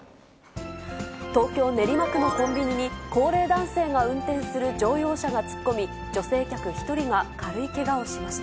東京・練馬区のコンビニに、高齢男性が運転する乗用車が突っ込み、女性客１人が軽いけがをしました。